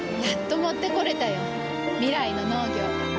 やっと持ってこれたよ。未来の農業。